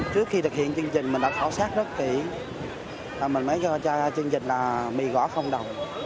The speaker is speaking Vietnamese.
thực hiện chương trình mình đã khảo sát rất kỹ mình mới cho ra chương trình là mì gõ không đồng